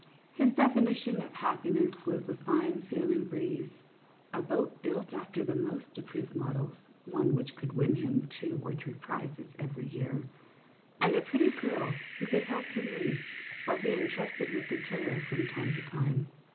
His definition of happiness was a fine sailing breeze, a boat built after the most approved models (one which could win him two or three prizes every year), and a pretty girl who could help him reef or be entrusted with the tiller from time to time.